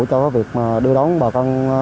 cho việc đưa đón bà con